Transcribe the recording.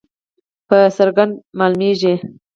په څرګنده معلومیږي.